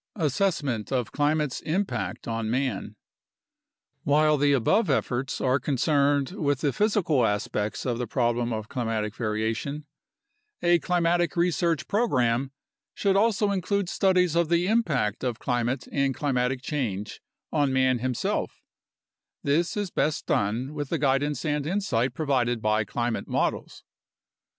Assessment of Climate's Impact on Man While the above efforts are concerned with the physical aspects of the problem of climatic variation, a climatic research program should also include studies of the impact of climate and climatic change on man himself; this is best done with the guidance and insight provided by climate models.